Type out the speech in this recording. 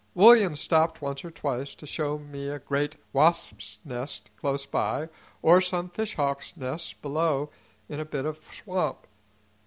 William stopped once or twice to show me a great wasps' nest close by, or some fishhawks' nests below in a bit of swamp.